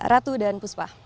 ratu dan puspa